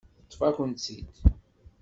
Teṭṭef-akent-tt-id.